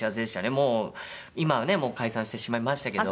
もう今はね解散してしまいましたけど。